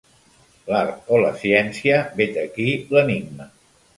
L'art o la ciència, vet aquí l'enigma.